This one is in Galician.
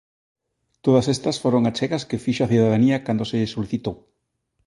Todas estas foron achegas que fixo a cidadanía cando se lle solicitou.